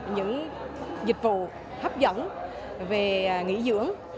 những dịch vụ hấp dẫn về nghỉ dưỡng